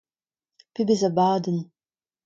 Pebezh abadenn !